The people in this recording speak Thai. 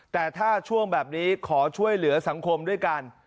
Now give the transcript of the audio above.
แต่ถ้าช่วงแบบนี้ขอช่วยเหลือสังคมด้วยกัน